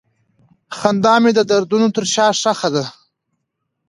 خندا مې د دردونو تر شا ښخ ده.